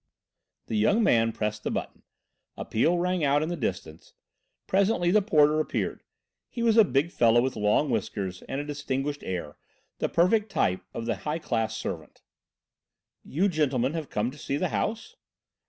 The young man pressed the button, a peal rang out in the distance: presently the porter appeared. He was a big fellow with long whiskers and a distinguished air, the perfect type of the high class servant. "You gentlemen have come to see the house?"